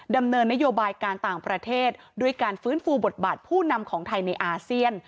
ดำเนินนโยบายการต่างประเทศด้วยการฟื้นฟูบทบาทผู้นำของไทยในอาเซียน